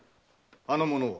あの者は？